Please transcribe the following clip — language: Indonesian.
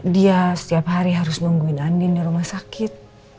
dia setiap hari harus nungguin andin di rumah sakit